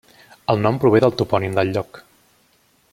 El nom prové del topònim del lloc.